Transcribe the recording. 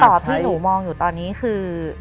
ตอบที่หนูมองอยู่ตอนนี้คือ